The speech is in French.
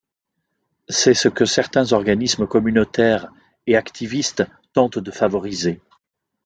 C’est ce que certains organismes communautaires et activistes tentent de favoriser.